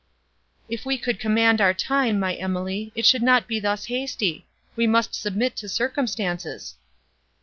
"If we could command our time, my Emily, it should not be thus hasty; we must submit to circumstances."